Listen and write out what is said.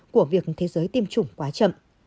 của việc thế giới tiêm chủng quá chậm